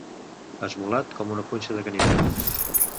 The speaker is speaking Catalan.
Esmolat com una punxa de ganivet.